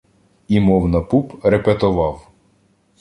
І, мов на пуп, репетовав: